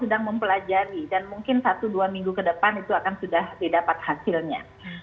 sedang mempelajari dan mungkin satu dua minggu ke depan itu akan sudah didapat hasilnya